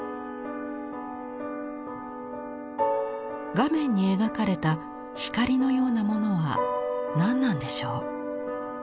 画面に描かれた光のようなものは何なんでしょう。